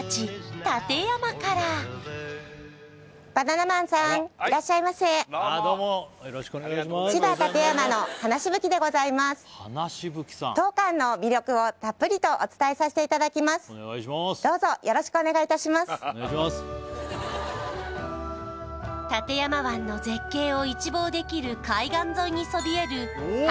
館山からどうぞ館山湾の絶景を一望できる海岸沿いにそびえる花